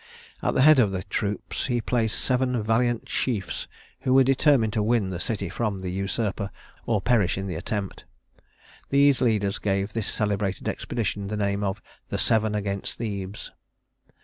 At the head of the troops he placed seven valiant chiefs who were determined to win the city from the usurper, or perish in the attempt. These leaders gave this celebrated expedition the name of "The Seven against Thebes."